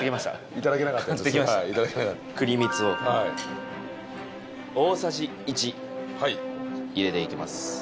いただけなかったやつ買ってきました栗みつを大さじ１入れていきます